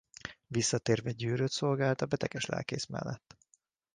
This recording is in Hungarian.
Visszatérve Győrött szolgált a beteges lelkész mellett.